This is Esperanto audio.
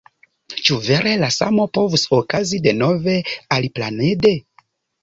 Ĉu vere la samo povus okazi denove, aliplanede?